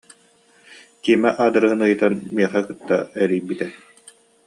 Тима аадырыһын ыйытан миэхэ кытта эрийбитэ